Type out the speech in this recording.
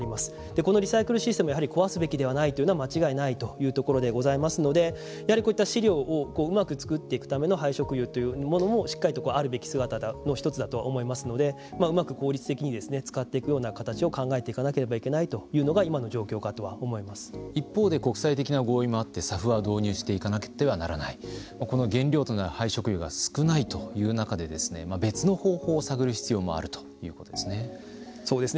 このリサイクルシステムを壊すべきではないというのは間違いないところでございますのでやはりこういった飼料をうまくつくっていくための廃食油というものもしっかりとあるべき姿の１つだとは思いますのでうまく効率的に使っていくような形を考えていかなければいけないというのが一方で国際的な合意もあってＳＡＦは導入していかなくてはならないこの原料となる廃食油が少ないという中で別の方法を探る必要もあるそうですね。